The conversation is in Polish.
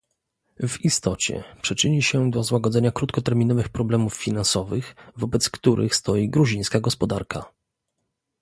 W istocie przyczyni się do złagodzenia krótkoterminowych problemów finansowych, wobec których stoi gruzińska gospodarka